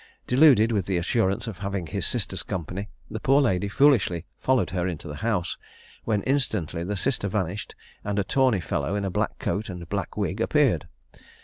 Deluded with the assurance of having his sister's company, the poor lady foolishly followed her into the house, when instantly the sister vanished, and a tawny fellow in a black coat and black wig appeared.